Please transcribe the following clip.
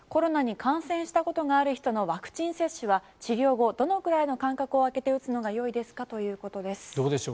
コロナに感染したことがある人のワクチン接種は治療後、どのくらいの間隔を空けて打つのがいいですかということです。